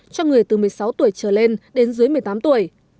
cho người từ một mươi sáu tuổi trở lên đến dưới một mươi tám tuổi